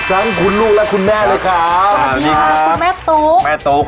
ทั้งคุณลูกและคุณแม่เลยครับสวัสดีครับคุณแม่ตุ๊กแม่ตุ๊ก